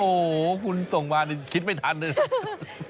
โอ้โหคุณส่งมานี่คิดไม่ทันเลย